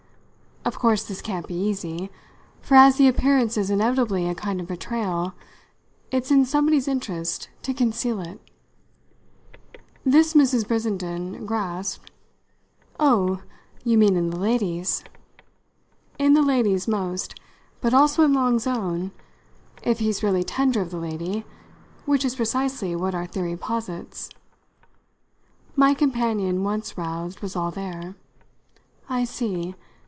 Of course this can't be easy; for as the appearance is inevitably a kind of betrayal, it's in somebody's interest to conceal it." This Mrs. Brissenden grasped. "Oh, you mean in the lady's?" "In the lady's most. But also in Long's own, if he's really tender of the lady which is precisely what our theory posits." My companion, once roused, was all there. "I see.